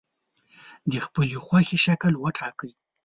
د خپلې خوښې شکل وټاکئ.